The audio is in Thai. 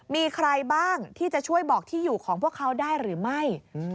มีใครบ้างที่จะช่วยบอกที่อยู่ของพวกเขาได้หรือไม่